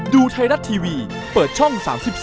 ดูไทยรัฐทีวีเปิดช่อง๓๒